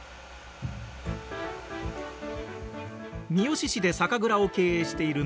三好市で酒蔵を経営している馬宮さん。